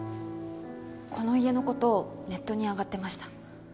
この家のことネットに上がってました。